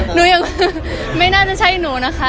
หนูยังไม่น่าจะใช่หนูนะคะ